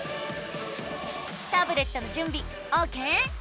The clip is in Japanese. タブレットのじゅんびオーケー？